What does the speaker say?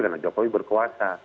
karena jokowi berkuasa